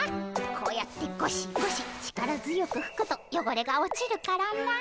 こうやってゴシゴシ力強くふくとよごれが落ちるからな。